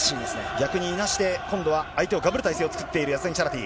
逆にいなして、今度は相手をがぶる体勢を作っている、ヤズダニチャラティ。